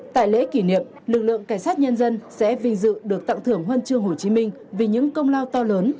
tại lễ kỷ niệm lực lượng cảnh sát nhân dân sẽ vinh dự được tặng thưởng huân chương hồ chí minh vì những công lao to lớn